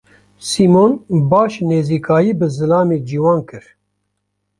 Sîmon baş nêzîkayî bi zilamê ciwan kir.